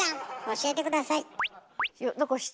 教えて下さい。